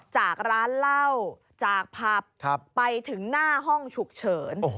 จากร้านเหล้าจากผับไปถึงหน้าห้องฉุกเฉิน